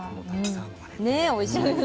おいしい。